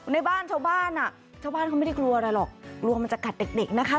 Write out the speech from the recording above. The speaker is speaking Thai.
ในบ้านชาวบ้านก็ไม่ได้กลัวอะไรหรอกกลัวจะกัดเด็กนะคะ